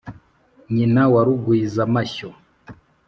nyina wa rugwiza-mashyo,